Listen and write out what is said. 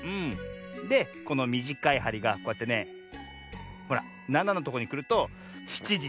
でこのみじかいはりがこうやってねほら７のとこにくると７じちょうどってわけよ。